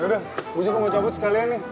yaudah gue juga mau cabut sekalian nih